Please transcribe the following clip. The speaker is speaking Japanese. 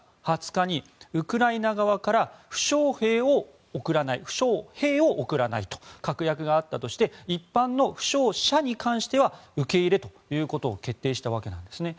２０日に、ウクライナ側から負傷兵を送らないと確約があったとして一般の負傷者に関しては受け入れということを決定したわけなんですね。